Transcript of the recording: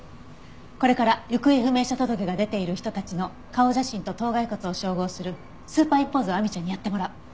これから行方不明者届が出ている人たちの顔写真と頭蓋骨を照合するスーパーインポーズを亜美ちゃんにやってもらう。